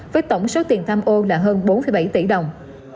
với tổng số tiền tham ô là hơn bốn bảy tỷ đồng